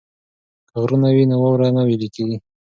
که غرونه وي نو واوره نه ویلی کیږي.